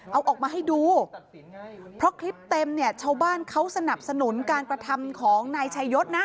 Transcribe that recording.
เอาออกมาให้ดูเพราะคลิปเต็มเนี่ยชาวบ้านเขาสนับสนุนการกระทำของนายชายศนะ